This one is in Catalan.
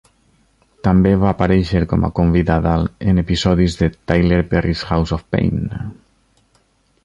També va aparèixer com a convidada en episodis de Tyler Perry's House of Payne.